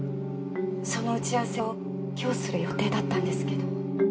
その打ち合わせを今日する予定だったんですけど。